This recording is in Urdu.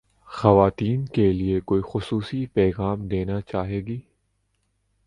خواتین کے لئے کوئی خصوصی پیغام دینا چاہیے گی